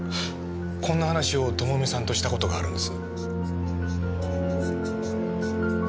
こんな話を朋美さんとしたことがあるんです。